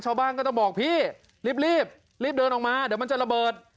ชาวบ้านก็ต้องบอกพี่รีบรีบเดินออกมาเดี๋ยวมันจะระเบิด